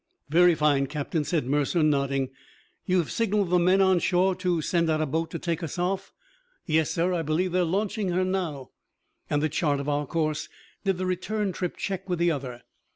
"Very fine, Captain," said Mercer, nodding. "You have signaled the men on shore to send out a boat to take us off?" "Yes, sir; I believe they're launching her now." "And the chart of our course did the return trip check with the other?"